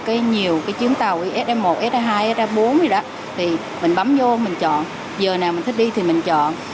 có nhiều cái chuyến tàu isa một isa hai isa bốn gì đó thì mình bấm vô mình chọn giờ nào mình thích đi thì mình chọn